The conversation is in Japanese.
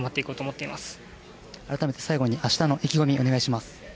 改めて最後に明日の意気込みお願いします。